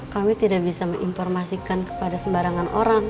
kami tidak bisa menginformasikan kepada sembarangan orang